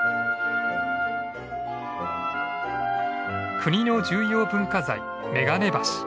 国の重要文化財めがね橋。